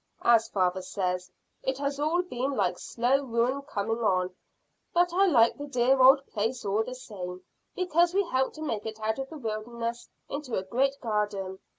As father says, it has all been like slow ruin coming on; but I like the dear old place all the same, because we helped to make it out of the wilderness into a great garden.